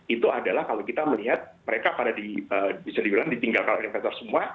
itu adalah kalau kita melihat mereka pada bisa dibilang ditinggalkan investor semua